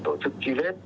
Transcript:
tổ chức truy vết